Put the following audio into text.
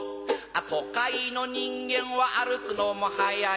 都会の人間は歩くのも速い